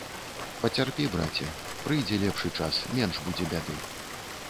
Пацярпі, браце, прыйдзе лепшы час, менш будзе бяды.